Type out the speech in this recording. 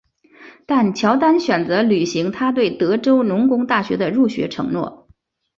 但乔丹选择履行他对德州农工大学的入学承诺。